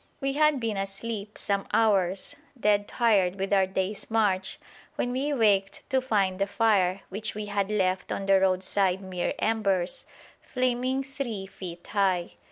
We had been asleep some hours, dead tired with our day's march, when we waked to find the fire, which we had left on the roadside mere embers, flaming three feet high.